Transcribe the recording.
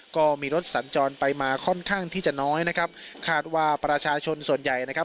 ก็มีรถสัญจรไปมาค่อนข้างที่จะน้อยนะครับคาดว่าประชาชนส่วนใหญ่นะครับ